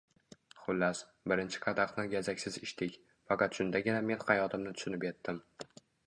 Xullas, birinchi qadaxni gazaksiz ichdik. Faqat shundagina men xatoyimni tushunib yetdim.